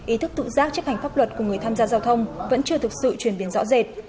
ý thức tự giác chấp hành pháp luật của người tham gia giao thông vẫn chưa thực sự chuyển biến rõ rệt